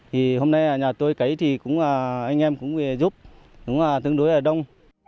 thì hôm nay nhà tôi cấy thì anh em cũng giúp đúng là tương đối là đông